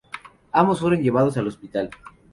Ambos fueron llevados al hospital.